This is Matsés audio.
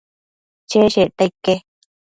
cheshecta ique